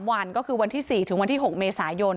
วันก็คือวันที่๔ถึงวันที่๖เมษายน